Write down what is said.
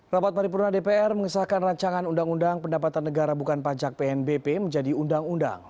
rapat paripurna dpr mengesahkan rancangan undang undang pendapatan negara bukan pajak pnbp menjadi undang undang